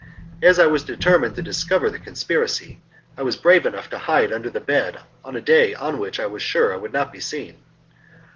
As I was determined to discover the conspiracy, I was brave enough to hide under the bed on a day on which I was sure I would not be seen.